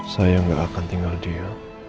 saya nggak akan tinggal dia